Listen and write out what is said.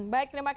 baik terima kasih